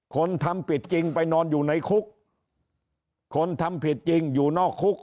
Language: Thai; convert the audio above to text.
คนทำผิดจริงไปนอนอยู่ในคุกคนทำผิดจริงอยู่นอกคุก